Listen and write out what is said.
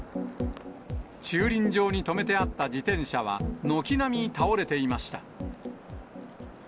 駐輪場に止めてあった自転車は、軒並み倒れていました。